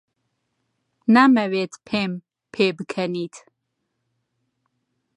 نامەوێت پێم پێبکەنیت.